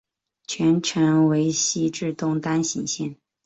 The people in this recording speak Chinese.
全程为西至东单行线。